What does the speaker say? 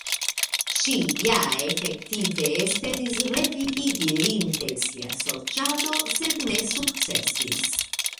Ŝi ja efektive esperis revivigi lin per sia sorĉado, sed ne sukcesis.